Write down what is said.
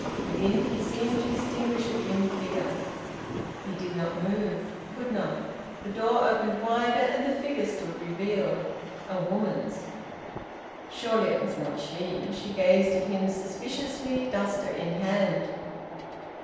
Within, he seemed to distinguish a dim figure. He did not move; could not. The door opened wider, and the figure stood revealed, a woman's. Surely it was she! She gazed at him suspiciously, duster in hand.